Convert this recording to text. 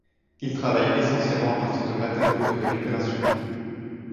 Il travaille essentiellement à partir de matériaux de récupération.